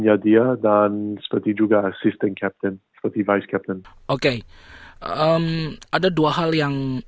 ada dua hal yang